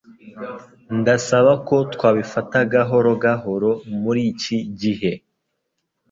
Ndasaba ko twabifata gahoro gahoro muriki gihe.